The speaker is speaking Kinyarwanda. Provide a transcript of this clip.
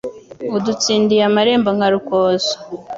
Udutsindiye amarembo nka Rukozo